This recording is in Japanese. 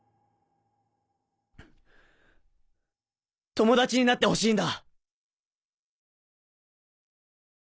友達になってほしいんだ！